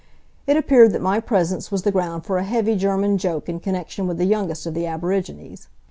It appeared that my presence was the ground for a heavy German joke in connection with the youngest of the aborigines.